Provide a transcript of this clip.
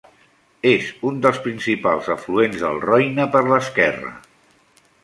És un dels principals afluents del Roine per l'esquerra.